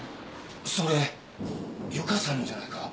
それ優歌さんのじゃないか？